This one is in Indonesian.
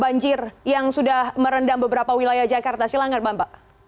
banjir yang sudah merendam beberapa wilayah jakarta silakan pak